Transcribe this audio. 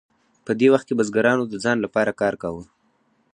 په دې وخت کې بزګرانو د ځان لپاره کار کاوه.